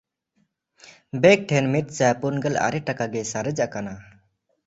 ᱵᱮᱠ ᱴᱷᱮᱱ ᱢᱤᱫᱥᱟᱭ ᱯᱩᱱᱜᱮᱞ ᱟᱨᱮ ᱴᱟᱠᱟ ᱜᱮ ᱥᱟᱨᱮᱡ ᱠᱟᱱᱟ᱾